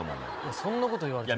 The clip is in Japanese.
そんなこと言われても。